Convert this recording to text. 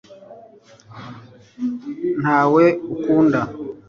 ntawe ukunda